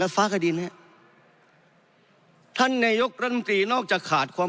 เป็นในยกร่ำที่ขาดเอ็ม